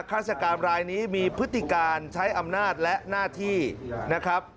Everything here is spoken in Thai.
ฆาตกรรมรายนี้มีพฤติการใช้อำนาจและหน้าที่นะครับ